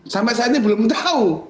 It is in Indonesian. sampai saat ini belum tahu